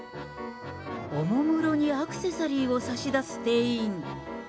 おもむろにアクセサリーを差し出す店員。